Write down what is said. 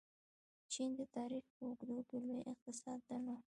چین د تاریخ په اوږدو کې لوی اقتصاد درلود.